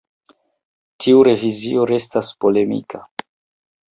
Tiu revizio restas polemika.